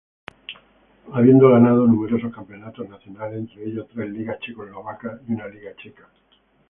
Habiendo ganado numerosos campeonatos nacionales entre ellos tres ligas checoslovacas y una liga checa.